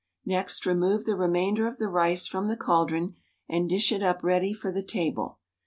Next remove the remainder of the rice from the caldron and dish it up ready for the table.